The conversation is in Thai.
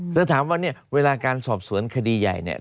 แต่ถามว่าเนี่ยเวลาการสอบสวนคดีใหญ่เนี่ย